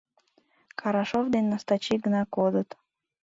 Карашов ден Настачи гына кодыт.